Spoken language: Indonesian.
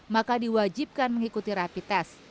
maka diwajibkan mengikuti rapid test